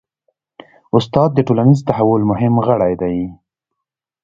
استاد د ټولنیز تحول مهم غړی دی.